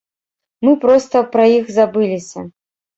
Мы проста пра іх забыліся.